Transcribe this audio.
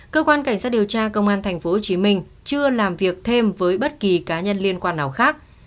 cơ quan cảnh sát điều tra công an tp hcm chưa làm việc thêm với bất kỳ cá nhân liên quan nào khác